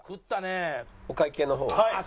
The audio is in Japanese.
お会計の方を。